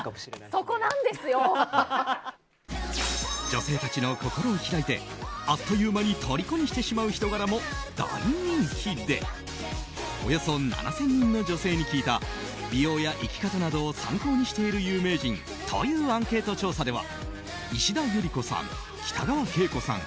女性たちの心を開いてあっという間にとりこにしてしまう人柄も大人気でおよそ７０００人の女性に聞いた美容や生き方などを参考にしている有名人というアンケート調査では石田ゆり子さん、北川景子さん